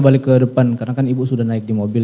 balik ke depan karena kan ibu sudah naik di mobil